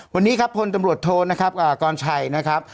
วันนี้ครับพลตำรวจโทนะครับกรชัยนะครับ